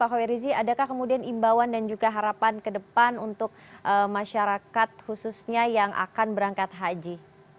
pak khoir rizi adakah kemudian imbauan dan juga harapan ke depan untuk masyarakat khususnya yang akan berangkat haji